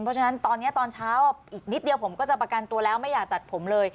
เพราะฉะนั้นตอนนี้ตอนเช้าอีกนิดเดียวผมก็จะประกันตัวแล้วไม่อยากตัดผมเลย